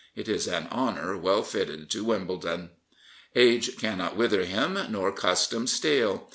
It is an honour well fitted to Wimbledon. Age cannot wither him, nor custom stale.